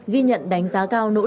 ghi nhận đánh giá cao nỗ lực